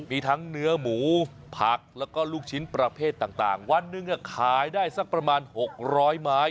มีทั้งเนื้อหมูผักแล้วก็ลูกชิ้นประเภทต่างวันหนึ่งขายได้สักประมาณ๖๐๐ไม้